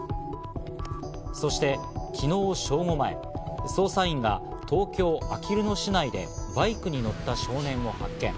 そして昨日正午前、捜査員が東京・あきる野市内で、バイクに乗った少年を発見。